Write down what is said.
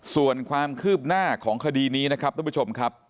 ส่วนความคืบหน้าของคดีนี้นะครับทุกผู้ชมครับ